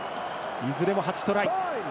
いずれも８トライ。